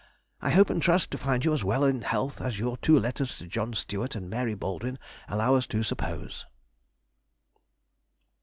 I hope and trust to find you as well in health as your two letters to John Stewart and Mary Baldwin allow us to suppose....